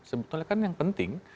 sebetulnya kan yang penting